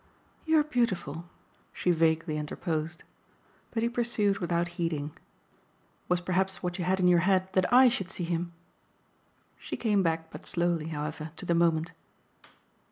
"You're beautiful!" she vaguely interposed. But he pursued without heeding: "Was perhaps what you had in your head that I should see him ?" She came back but slowly, however, to the moment.